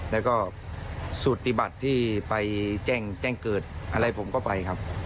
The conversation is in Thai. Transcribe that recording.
แล้วก็สูติบัติที่ไปแจ้งเกิดอะไรผมก็ไปครับ